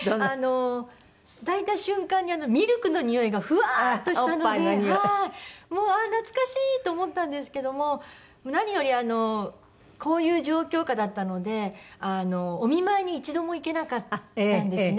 抱いた瞬間にミルクのにおいがふわーっとしたのでもうあっ懐かしい！と思ったんですけども何よりこういう状況下だったのでお見舞いに一度も行けなかったんですね。